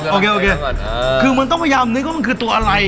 โอเคโอเคคือมันต้องพยายามนึกว่ามันคือตัวอะไร